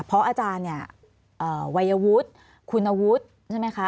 เพราะอาจารย์เนี่ยวัยวุฒิคุณวุฒิใช่ไหมคะ